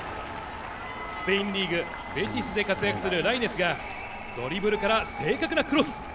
スペインリーグベティスで活躍するライネスがドリブルから正確なクロス。